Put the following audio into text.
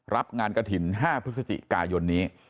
รับงานกระถิ่น๕พฤศจิกายนนี้